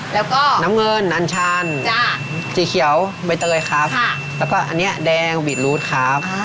แล้วก็น้ำเงินอันชันสีเขียวใบเตยครับแล้วก็อันนี้แดงบีดรูดครับ